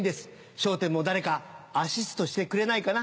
『笑点』も誰かアシストしてくれないかな？